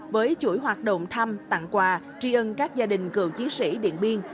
với chuỗi hoạt động thăm tặng quà tri ân các gia đình cựu chiến sĩ điện biên